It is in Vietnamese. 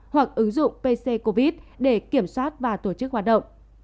hoặc ứng dụng pc covid để kiểm soát và tổ chức hoạt động